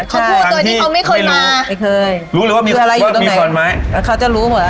เขาพูดตัวนี้เขาไม่เคยมาไม่เคยรู้เลยว่ามีว่ามีขวอนไม้เขาจะรู้เหรอ